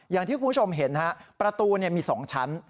อย่างที่คุณผู้ชมเห็นฮะประตูมี๒ชั้น